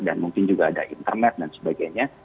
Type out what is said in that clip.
dan mungkin juga ada internet dan sebagainya